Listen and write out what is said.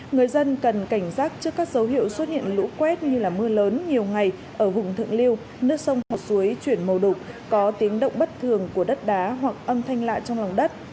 người dân cần cảnh giác trước các dấu hiệu xuất hiện lũ quét như mưa lớn nhiều ngày ở vùng thượng liêu nước sông hoặc suối chuyển màu đục có tiếng động bất thường của đất đá hoặc âm thanh lạ trong lòng đất